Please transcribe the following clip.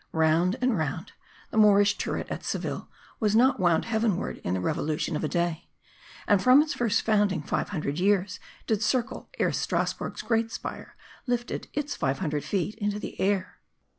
Round and round, the Moorish turret at Seville was not wound heavenward in the revolution of a day ; 'and from its first founding, five hundred years did circle, ere Strasbourg's great spire lifted its five hundred feet into the air.